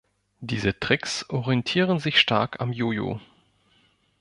Diese Tricks orientieren sich stark am Jo-Jo.